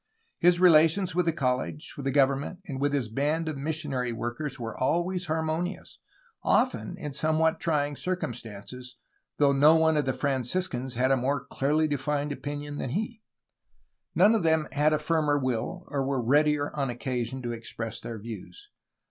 His relations with the college, with the government, and with his band of missionary workers were always harmonious, often in somewhat trying circumstances, though no one of the Franciscans had more clearly defined opinions than he. None of them had a firmer will, or were readier on occa sion to express their views.